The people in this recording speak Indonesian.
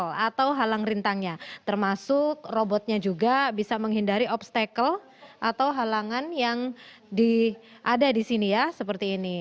atau halang rintangnya termasuk robotnya juga bisa menghindari obstacle atau halangan yang ada di sini ya seperti ini